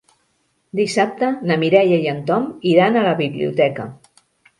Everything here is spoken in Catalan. Dissabte na Mireia i en Tom iran a la biblioteca.